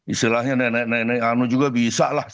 istilahnya nenek nenek anu juga bisa lah